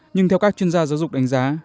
nhưng theo các chuyên gia giáo dục đánh giá